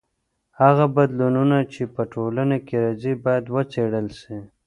هغه بدلونونه چې په ټولنه کې راځي باید وڅېړل سي.